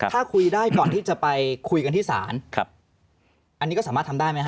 ถ้าคุยได้ก่อนที่จะไปคุยกันที่ศาลอันนี้ก็สามารถทำได้ไหมฮ